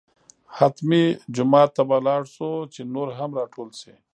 حتمي جومات ته به لاړ شو چې نور هم راټول شي.